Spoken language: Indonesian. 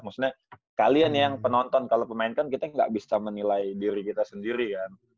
maksudnya kalian yang penonton kalau pemain kan kita nggak bisa menilai diri kita sendiri kan